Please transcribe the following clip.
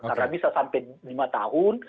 karena bisa sampai lima tahun